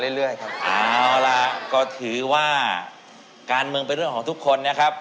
พี่อัตซาวินโอเคนะก็ถือว่าการเมืองเป็นเรื่องของทุกคนนะครับ